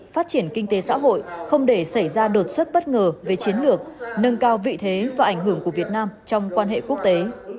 phát triển kinh tế xã hội không để xảy ra đột xuất bất ngờ về chiến lược nâng cao vị thế và ảnh hưởng của việt nam trong quan hệ quốc tế